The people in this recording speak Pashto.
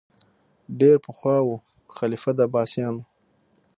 ډېر پخوا وو خلیفه د عباسیانو